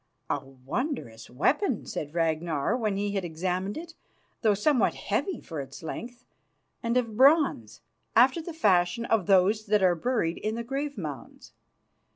"A wondrous weapon," said Ragnar when he had examined it, "though somewhat heavy for its length, and of bronze, after the fashion of those that are buried in the grave mounds.